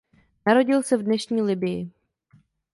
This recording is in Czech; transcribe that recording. Narodil se v dnešní Libyi.